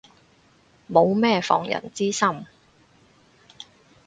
冇乜防人之心